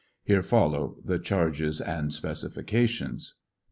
[Here follow the charges and specifications.